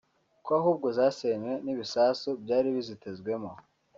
ko ahubwo zasenywe n’ibisasu byari bizitezwemo